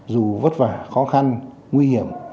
dù vất vả khó khăn nguy hiểm